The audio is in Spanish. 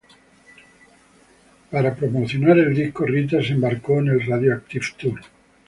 Para promocionar el disco, Rita se embarcó en el Radioactive Tour.